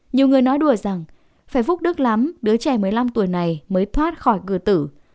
nhiều người nói đuổi rằng phải phúc đức lắm đứa trẻ một mươi năm tuổi này mới thoát khỏi cửa tử